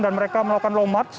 dan mereka melakukan low march